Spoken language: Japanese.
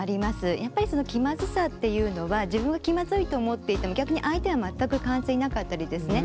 やっぱり気まずさっていうのは自分が気まずいと思っていても逆に相手は全く感じていなかったりですね